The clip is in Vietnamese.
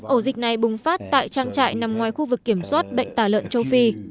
ổ dịch này bùng phát tại trang trại nằm ngoài khu vực kiểm soát bệnh tả lợn châu phi